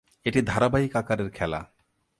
এটি ধারাবাহিক আকারের খেলা।